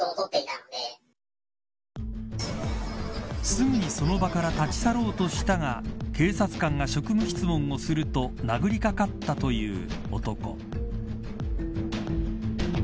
すぐにその場から立ち去ろうとしたが警察官が職務質問をすると殴りかかったという男。